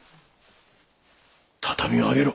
畳を上げろ。